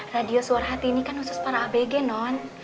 radio suara hati ini kan khusus para abg non